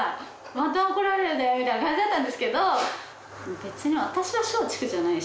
また怒られるでみたいな感じだったんですけど別に。